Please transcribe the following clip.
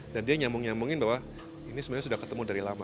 dan dia nyambung nyambungin bahwa ini sebenarnya sudah ketemu dari lama